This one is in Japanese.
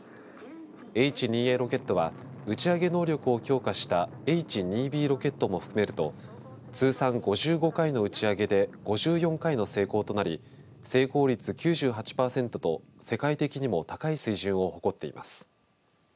Ｈ２Ａロケットは打ち上げ能力を強化したＨ２Ｂロケットを含めると通算５５回の打ち上げで５４回の成功となり成功率９８パーセントと世界的にも高い水準を誇っています。